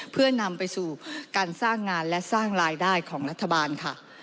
เพื่อนำไปสู่การสร้างงานและสร้างรายได้ของรัฐบาลค่ะ